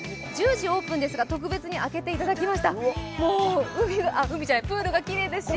１０時オープンですが、特別に開けていただきました。